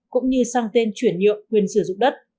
cũng như sang tên chuyển nhượng quyền sử dụng đất